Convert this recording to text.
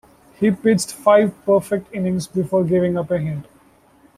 He pitched five perfect innings before giving up a hit.